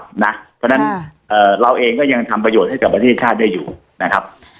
เพราะฉะนั้นเราเองก็ยังทำประโยชน์ให้กับประเทศชาติได้อยู่นะครับ